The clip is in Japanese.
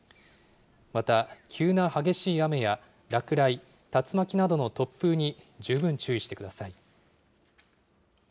また、急な激しい雨や落雷、竜巻などの突風に十分注意してください。